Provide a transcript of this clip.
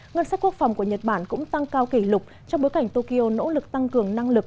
ngân sách quốc phòng của nhật bản cũng tăng cao kỷ lục trong bối cảnh tokyo nỗ lực tăng cường năng lực